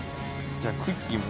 じゃあクッキーも。